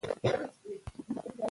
ماشوم ته ډاډ ورکول کېږي.